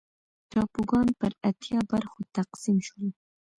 ټاپوګان پر اتیا برخو تقسیم شول.